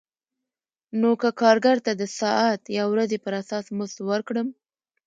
نو که کارګر ته د ساعت یا ورځې پر اساس مزد ورکړم